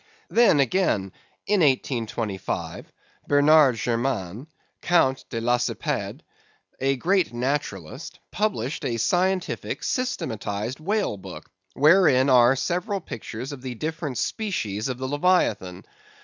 Then, again, in 1825, Bernard Germain, Count de Lacépède, a great naturalist, published a scientific systemized whale book, wherein are several pictures of the different species of the Leviathan.